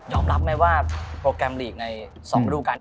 ยอมรับไหมว่าโปรแกรมลีกในสองรูปการ